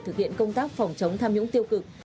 thực hiện công tác phòng chống tham nhũng tiêu cực